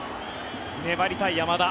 粘りたい山田。